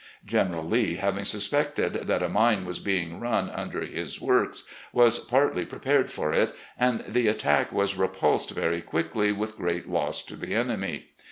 General Lee, having suspected that a mine was being run under his works, was partly pre pared for it, and the attack was repulsed very quickly with great loss to the enemy.